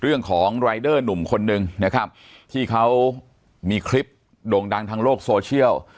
เรื่องของรายเดอร์หนุ่มคนนึงนะครับที่เขามีคลิปโด่งดังทางโลกโซเชียล